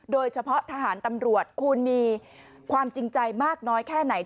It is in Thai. ทหารตำรวจคุณมีความจริงใจมากน้อยแค่ไหน